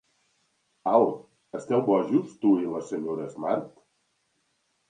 Al, esteu bojos tu i la Sra. Smart?